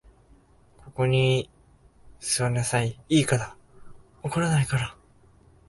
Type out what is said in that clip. ここに坐りなさい、いいから。怒らないから。